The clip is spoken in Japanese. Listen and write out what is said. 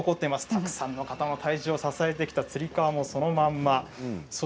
たくさんの方の体重を支えてきたつり革もそのままです。